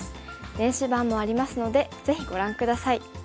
電子版もありますのでぜひご覧下さい。